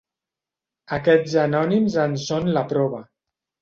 Aquests anònims en són la prova.